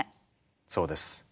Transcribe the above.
そうです。